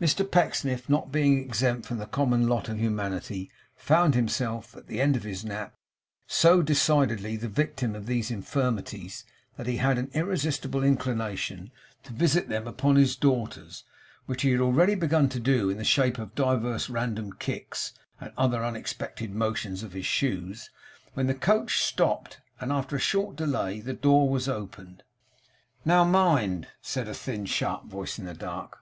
Mr Pecksniff not being exempt from the common lot of humanity found himself, at the end of his nap, so decidedly the victim of these infirmities, that he had an irresistible inclination to visit them upon his daughters; which he had already begun to do in the shape of divers random kicks, and other unexpected motions of his shoes, when the coach stopped, and after a short delay the door was opened. 'Now mind,' said a thin sharp voice in the dark.